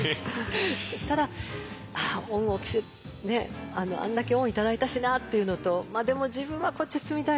ただ恩を着せねあんだけ恩を頂いたしなっていうのとまあでも自分はこっち進みたいなって。